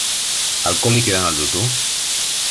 Alkoholik edan al duzu?